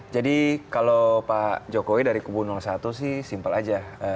jadi kalau pak jokowi dari kubu satu sih simple aja